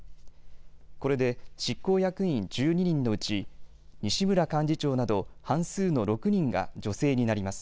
これで執行役員１２人のうち西村幹事長など半数の６人が女性になります。